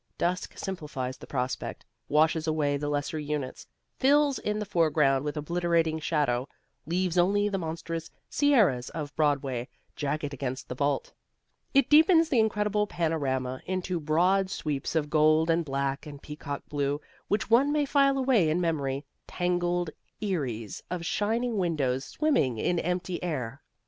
Dusk simplifies the prospect, washes away the lesser units, fills in the foreground with obliterating shadow, leaves only the monstrous sierras of Broadway jagged against the vault. It deepens this incredible panorama into broad sweeps of gold and black and peacock blue which one may file away in memory, tangled eyries of shining windows swimming in empty air.